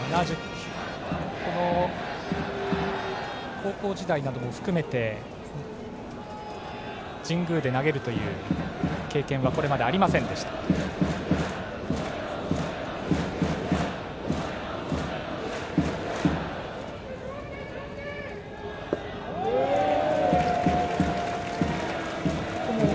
高校時代なども含めて神宮で投げる経験はこれまでありませんでした、山下。